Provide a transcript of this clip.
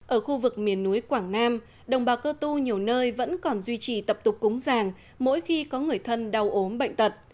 ở khu vực miền núi quảng nam đồng bào cơ tu nhiều nơi vẫn còn duy trì tập tục cúng ràng mỗi khi có người thân đau ốm bệnh tật